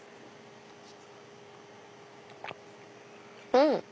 うん！